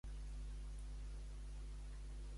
Què li ensenya el metge Septimue a Frankenstein?